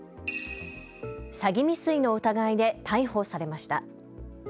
詐欺未遂の疑いで逮捕されました。